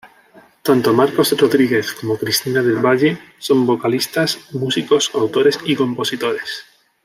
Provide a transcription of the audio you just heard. Tanto Marcos Rodríguez como Cristina del Valle son vocalistas, músicos, autores y compositores.